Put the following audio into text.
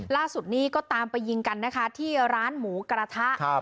ล่าสุดนี้ก็ตามไปยิงกันนะคะที่ร้านหมูกระทะครับ